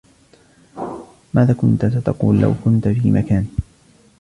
ماذا كنتَ ستقول لو كنت في مكاني؟